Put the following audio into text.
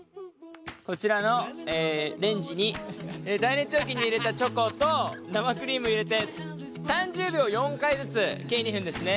こちらのレンジに耐熱容器に入れたチョコと生クリーム入れて３０秒を４回ずつ計２分ですね。